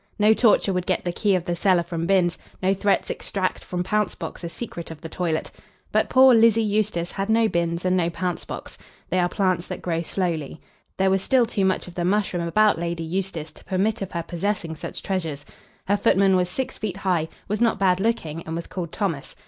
No torture would get the key of the cellar from Binns; no threats extract from Pouncebox a secret of the toilet. But poor Lizzie Eustace had no Binns and no Pouncebox. They are plants that grow slowly. There was still too much of the mushroom about Lady Eustace to permit of her possessing such treasures. Her footman was six feet high, was not bad looking, and was called Thomas.